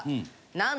何？